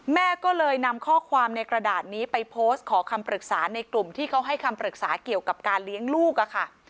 แม่ก็เลยนำข้อความในกระดาษนี้ไปโพสต์ขอคำปรึกษาในกลุ่มที่เขาให้คำปรึกษาเกี่ยวกับการเลี้ยงลูกอะค่ะ